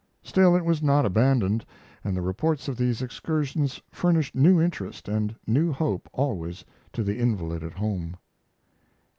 Still it was not abandoned, and the reports of these excursions furnished new interest and new hope always to the invalid at home.